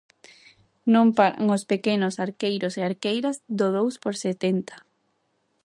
Non paran os pequenos arqueiros e arqueiras do dous por setenta.